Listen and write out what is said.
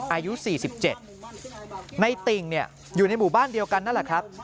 อายุ๔๗ในติ่งอยู่ในหมู่บ้านเดียวกันนั่นแหละครับ